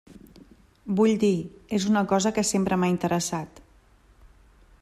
Vull dir, és una cosa que sempre m'ha interessat.